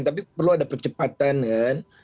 tapi perlu ada percepatan kan